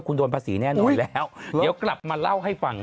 คุณโดนภาษีแน่นอนแล้วเดี๋ยวกลับมาเล่าให้ฟัง